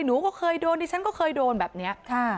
หนูก็เคยโดนดิฉันก็เคยโดนแบบนี้